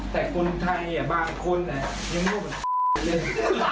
แต่คนไทยบางคนยังโง่แบบ